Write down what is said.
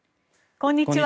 こんにちは。